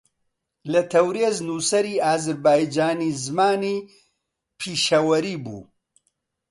لە تەورێز نووسەری ئازەربایجانی زەمانی پیشەوەری بوو